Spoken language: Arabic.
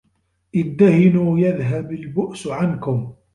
ادَّهِنُوا يَذْهَبْ الْبُؤْسُ عَنْكُمْ